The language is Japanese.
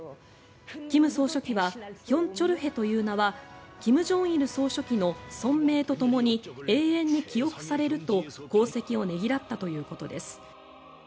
金総書記はヒョン・チョルヘという名は金正日総書記の尊名とともに永遠に記憶されると、功績をねぎらったということです。